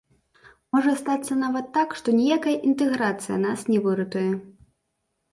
Можа стацца нават так, што ніякая інтэграцыя нас не выратуе.